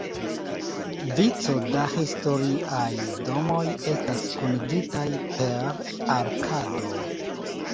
Vico da historiaj domoj estas kunigitaj per arkadoj.